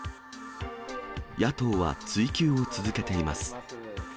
野党は追及を続けています。